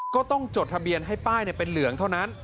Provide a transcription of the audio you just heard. จดทะเบียนให้ป้ายเป็นเหลืองเท่านั้น